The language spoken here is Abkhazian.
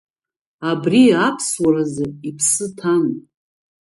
Абри аԥсуаразы иԥсы ҭан…